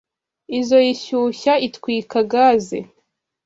Izoi shyushya itwika gaze.